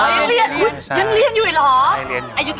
ยังเรียนยังเรียนอยู่เหรอ